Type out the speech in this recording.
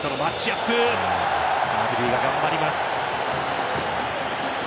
アブディが頑張ります。